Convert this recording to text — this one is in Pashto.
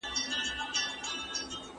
پوره شل وړاندي کلونه